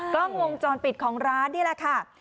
กล้องวงจรปิดของร้านนี่แหละค่ะ